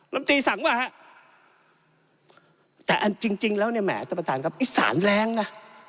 ลำตีสั่งว่าฮะแต่อันจริงจริงแล้วเนี่ยแหมท่านประธานครับอีสานแรงนะ